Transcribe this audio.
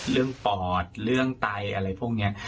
เรื่องปอดเรื่องไตอะไรพวกนี้